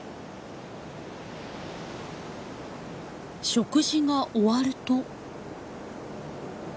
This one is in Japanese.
食事が終わると。